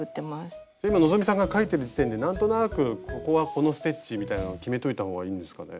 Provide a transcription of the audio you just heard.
今希さんが描いてる時点で何となくここはこのステッチみたいなのを決めといたほうがいいんですかね？